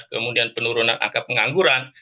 kemudian penurunan angka pengangguran